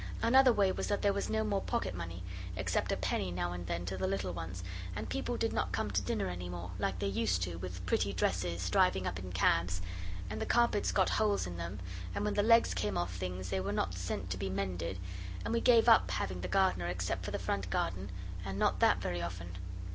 Another way was that there was no more pocket money except a penny now and then to the little ones, and people did not come to dinner any more, like they used to, with pretty dresses, driving up in cabs and the carpets got holes in them and when the legs came off things they were not sent to be mended, and we gave up having the gardener except for the front garden, and not that very often.